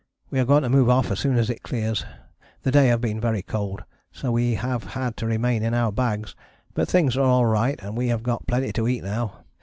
We are going to move off as soon as it clears, the day have been very cold, so we have had to remain in our bags, but things are alright and we have got plenty to eat now.